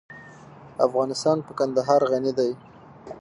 افغانستان په کندهار غني دی.